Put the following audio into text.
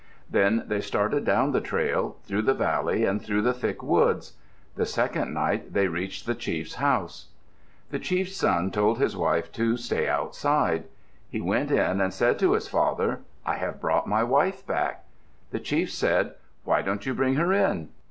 Then they started down the trail, through the valley and through the thick woods. The second night they reached the chief's house. The chief's son told his wife to stay outside. He went in and said to his father, "I have brought my wife back." The chief said, "Why don't you bring her in?"